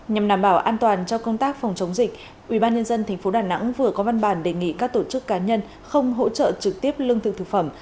nhằm đảm bảo an toàn cho công tác phòng chống dịch ubnd tp đà nẵng vừa có văn bản đề nghị các tổ chức cá nhân không hỗ trợ trực tiếp lương thực thực phẩm